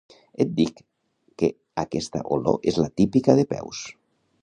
Et dic que aquesta olor és la típica de peus.